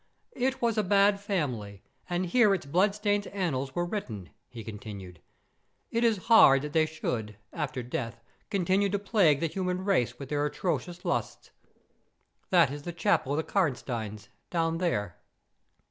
"It was a bad family, and here its bloodstained annals were written," he continued. "It is hard that they should, after death, continue to plague the human race with their atrocious lusts. That is the chapel of the Karnsteins, down there."